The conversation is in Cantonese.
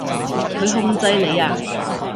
佢控制你呀？